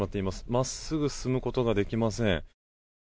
真っすぐ進むことができません。